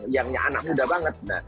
yang anak muda banget